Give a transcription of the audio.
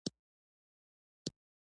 ایا نوی ژوند پیلولی شئ؟